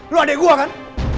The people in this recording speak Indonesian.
lo adek gue kan